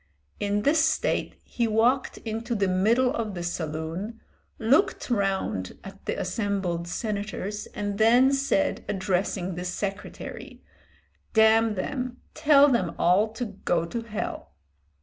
In this state he walked into the middle of the saloon, looked round at the assembled senators and then said, addressing the secretary, "Damn them, tell them all to go to hell."